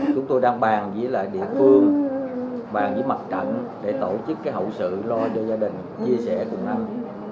chúng tôi đang bàn với lại địa phương bàn với mặt trận để tổ chức hậu sự lo cho gia đình chia sẻ cùng anh